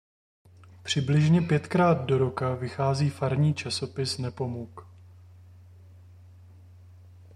Přibližně pětkrát do roka vychází farní časopis Nepomuk.